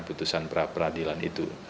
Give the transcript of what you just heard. putusan peradilan itu